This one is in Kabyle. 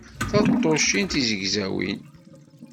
Taṭṭucin tizegzawin.